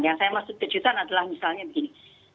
yang saya maksud kejutan adalah misalnya begini